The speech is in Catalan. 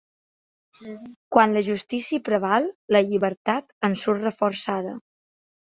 Quan la justícia preval, la llibertat en surt reforçada.